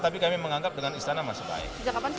tapi kami menganggap dengan istana masih baik